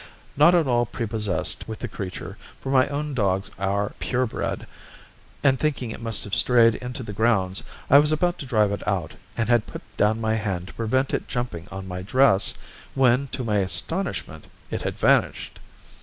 Not at all prepossessed with the creature, for my own dogs are pure bred, and thinking it must have strayed into the grounds, I was about to drive it out, and had put down my hand to prevent it jumping on my dress, when, to my astonishment, it had vanished.